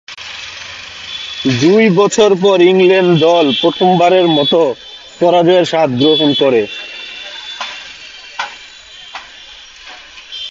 দুই বছর পর ইংল্যান্ড দল প্রথমবারের মতো পরাজয়ের স্বাদ গ্রহণ করে।